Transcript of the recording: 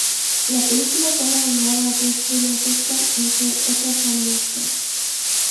La película fue nominada a tres premios Óscar, entre otras nominaciones.